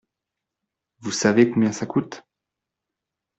Vous savez combien ça coûte ?